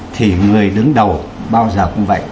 thì người đứng đầu bao giờ cũng vậy